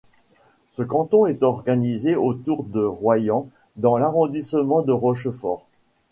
Ce canton est organisé autour de Royan dans l'arrondissement de Rochefort.